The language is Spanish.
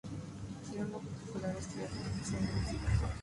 Desarrolló un particular estilo de interpretación en la música guajira cubana.